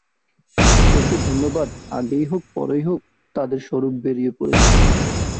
ঈশ্বরকে ধন্যবাদ, আগেই হোক, পড়েই হোক তাদের স্বরূপ বেরিয়ে পড়েছে।